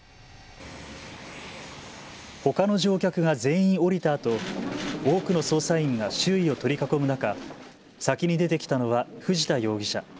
ほかの乗客が全員降りたあと多くの捜査員が周囲を取り囲む中、先に出てきたのは藤田容疑者。